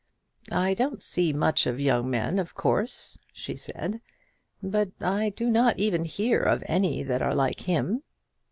"I don't see much of young men, of course," she said; "but I do not even hear of any that are like him."